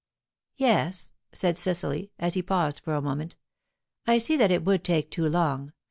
"Yes," said Cecily, as he paused for a moment, "I see that it would take too long.